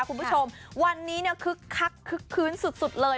คุณผู้ชมวันนี้คึกคักคึกคื้นสุดสุดเลย